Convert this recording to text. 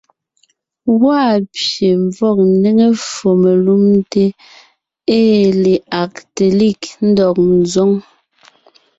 Gwaa pye ḿvɔg ńnéŋe ffo melumte ée le Agtelig ńdɔg ńzoŋ.